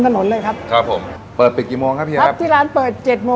ถ้าอยากทานต้องมาสีย่านเท่านั้น